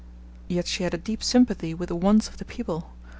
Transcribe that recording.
Yet she had a deep sympathy with the wants of the people.